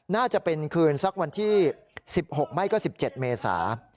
น่าจะเป็นคืนสักวันที่๑๖ไม่ก็๑๗เมษา